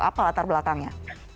apa latar belakangnya